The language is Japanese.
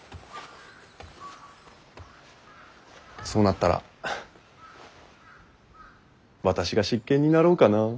そうなったら私が執権になろうかなあ。